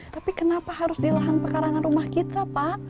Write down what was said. tapi kenapa harus di lahan pekarangan rumah kita pak